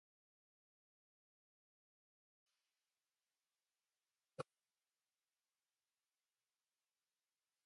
His daughter Verena married the architect Paffard Keatinge-Clay.